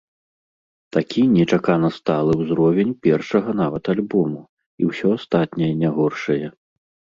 Такі нечакана сталы ўзровень першага нават альбому і ўсё астатняе не горшае.